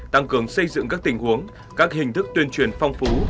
tăng cường xây dựng các tình huống các hình thức tuyên truyền phong phú